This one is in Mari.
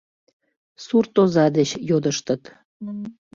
Сурт оза деч йодыштыт.